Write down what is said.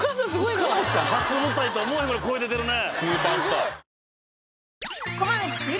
初舞台とは思えへんぐらい声出てるね